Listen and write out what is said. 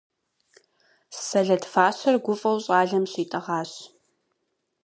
Сэлэт фащэр гуфӀэу щӀалэм щитӀэгъащ.